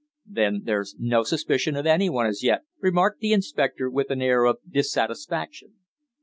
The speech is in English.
"Then there's no suspicion of anyone as yet?" remarked the inspector, with an air of dissatisfaction.